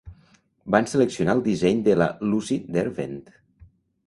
Van seleccionar el disseny de la Lucy Derwent.